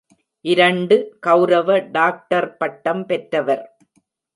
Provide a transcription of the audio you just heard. இரண்டு கௌரவ டாக்டர் பட்டம் பெற்றவர்.